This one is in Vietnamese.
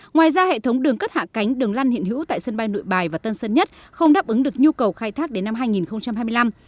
ngoài ra hệ thống đường cất hạ cánh đường lăn hiện hữu tại sân bay nội bài và tân sơn nhất không đáp ứng được nhu cầu khai thác đến năm hai nghìn hai mươi năm